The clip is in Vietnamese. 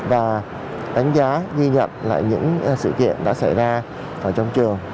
và đánh giá ghi nhận lại những sự kiện đã xảy ra ở trong trường